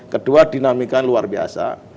kedua dinamika luar biasa